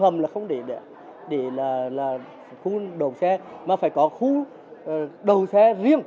hầm là không để là khu đầu xe mà phải có khu đầu xe riêng